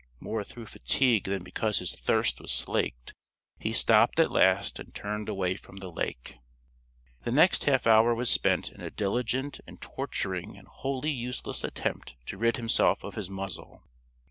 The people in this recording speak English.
More through fatigue than because his thirst was slaked, he stopped at last and turned away from the lake. The next half hour was spent in a diligent and torturing and wholly useless attempt to rid himself of his muzzle.